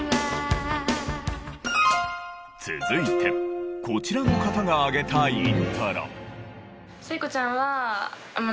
続いてこちらの方が挙げたイントロ。